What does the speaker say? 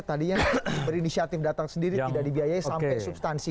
tadinya berinisiatif datang sendiri tidak dibiayai sampai substansi